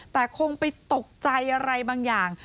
แต่คงไปตกใจอะไรบางอย่าง